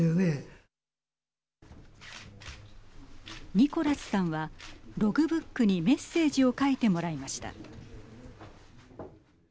ニコラスさんはログブックにメッセージを書いてもらいました。